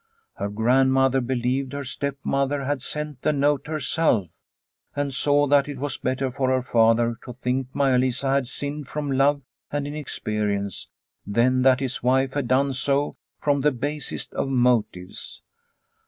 Her grandmother believed her stepmother had sent the note herself, and saw that it was better for her father to think Maia Lisa had sinned from love and inex perience than that his wife had done so from the basest of motives.